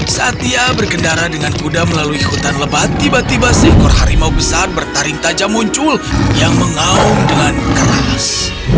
saat ia berkendara dengan kuda melalui hutan lebat tiba tiba seekor harimau besar bertaring tajam muncul yang mengaung dengan keras